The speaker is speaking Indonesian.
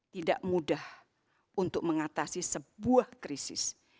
tidak mudah untuk mengatasi sebuah krisis